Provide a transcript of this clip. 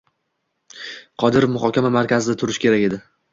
Qodirov muhokama markazida turishi kerak edi.